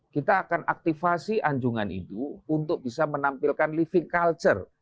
kita akan aktifasi anjungan itu untuk bisa menampilkan living culture